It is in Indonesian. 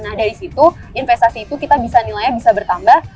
nah dari situ investasi itu kita bisa nilainya bisa bertambah